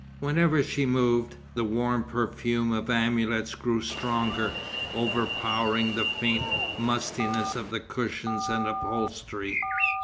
Whenever she moved, the warm perfume of amulets grew stronger, overpowering the faint mustiness of the cushions and upholstery.